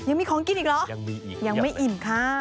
ยังมีของกินอีกเหรอยังไม่อิ่มค่ะยังมีอีกอย่างหน่อย